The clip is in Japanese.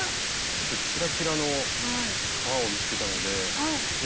ちょっとキラキラの革を見つけたので。